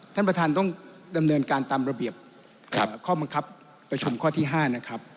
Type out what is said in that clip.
ท่านประธานต้องดำเนินการตามระเบียบข้อบังคับประชุมข้อที่๕นะครับ